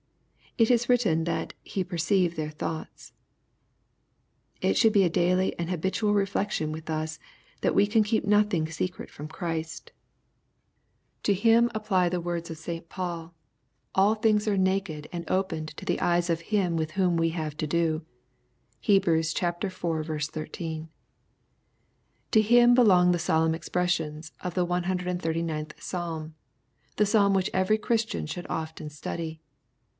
It is written, that " He perceived their thoughts It should be a daily and habitual reflection with us that we can keep nothing secret from Christ. To Him LUKE, CHAP. V. 145 apply the words of St. Paul, " all things are naked and opened to the eyes of him with whom we have to do.*' (Heb. iv. 13.) To Him belong the solemn expressions of the 139th. Psalm, — the Psalm which every Christian should often study.